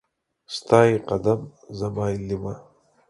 ستا يې قدم ، زما يې ليمه.